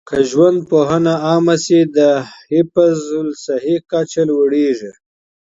که ژوندپوهنه عامه شي، د حفظ الصحې کچه لوړيږي.